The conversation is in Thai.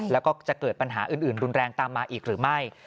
แล้วก็จะเกิดปัญหาอื่นรุนแรงตามมาอีกหรือไม่